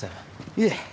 いえ